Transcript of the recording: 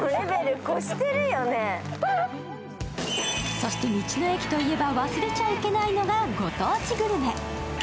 そして道の駅といえば忘れちゃいけないのはご当地グルメ。